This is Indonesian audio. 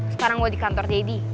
sekarang gue di kantor jd